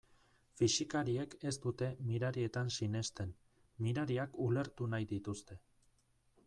Fisikariek ez dute mirarietan sinesten, mirariak ulertu nahi dituzte.